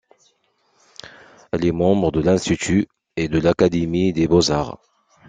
Il est membre de l’Institut et de l’Académie des beaux-arts.